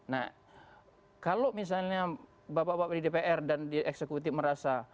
nah kalau misalnya bapak bapak di dpr dan di eksekutif merasa